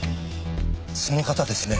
その方ですね